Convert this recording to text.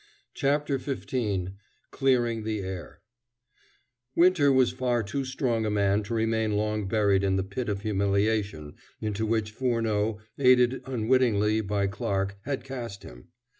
CHAPTER XV CLEARING THE AIR Winter was far too strong a man to remain long buried in the pit of humiliation into which Furneaux, aided unwittingly by Clarke, had cast him.